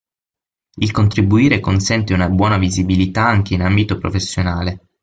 Il contribuire consente una buona visibilità anche in ambito professionale.